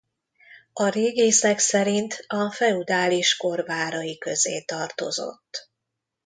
A régészek szerint a feudális kor várai közé tartozott.